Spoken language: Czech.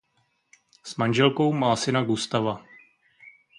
S manželkou má syna Gustava.